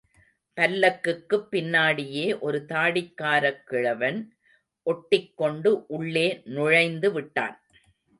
பல்லக்குக்குப் பின்னாடியே ஒரு தாடிக்காரக் கிழவன் ஒட்டிக்கொண்டு உள்ளே நுழைந்து விட்டான்.